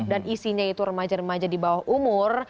dan isinya itu remaja remaja di bawah umur